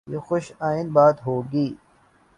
یہ خوش آئند بات ہو گی۔